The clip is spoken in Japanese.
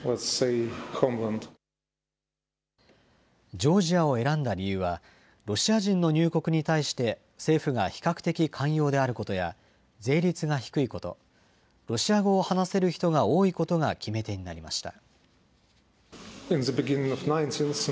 ジョージアを選んだ理由は、ロシア人の入国に対して、政府が比較的寛容であることや、税率が低いこと、ロシア語を話せる人が多いことが決め手になりました。